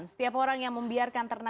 setiap orang yang membiarkan ternak